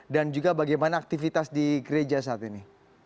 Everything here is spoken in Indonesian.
dan juga bagaimana aktivitas di gereja saat ini